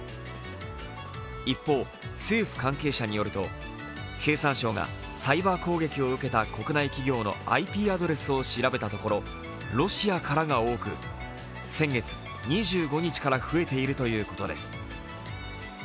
一方、政府関係者によると経産省がサイバー攻撃を受けた国内企業のＩＰアドレスを調べたところロシアからが多く、先月２５日から増えているということです。